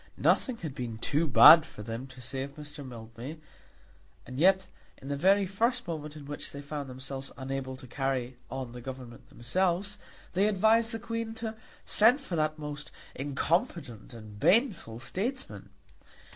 Nothing had been too bad for them to say of Mr. Mildmay, and yet, in the very first moment in which they found themselves unable to carry on the Government themselves, they advised the Queen to send for that most incompetent and baneful statesman!